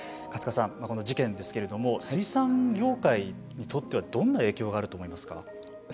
勝川さん、この事件ですけれども水産業界にとってはどんな影響があると思いますか。